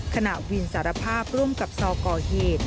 ขณะวินสารภาพร่วมกับซอก่อเหตุ